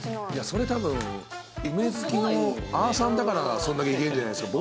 それ多分梅好きのあさんだからそんだけいけんじゃないすか？